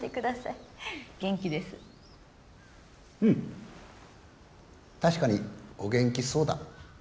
うん確かにお元気そうだ。